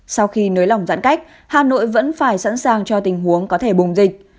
sau khi nới lỏng giãn cách hà nội vẫn phải sẵn sàng cho tình huống có thể bùng dịch